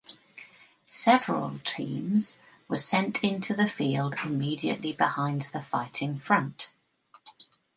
Several teams were sent into the field immediately behind the fighting front.